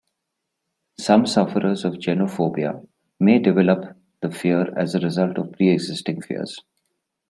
Some sufferers of genophobia may develop the fear as a result of preexisting fears.